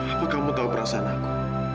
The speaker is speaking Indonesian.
apa kamu tahu perasaan aku